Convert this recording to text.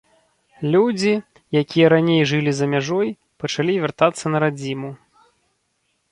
Людзі, якія раней жылі за мяжой, пачалі вяртацца на радзіму.